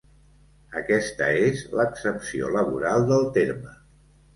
Aquesta és l'accepció laboral del terme.